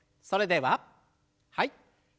それでははい。